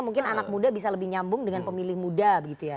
mungkin anak muda bisa lebih nyambung dengan pemilih muda begitu ya